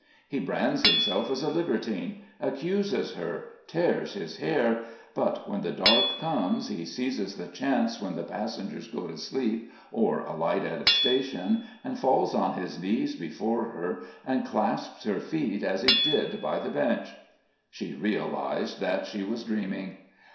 He brands himself as a libertine, accuses her, tears his hair; but when the dark comes he seizes the chance when the passengers go to sleep or alight at a station and falls on his knees before her and clasps her feet, as he did by the bench.... She realised that she was dreaming....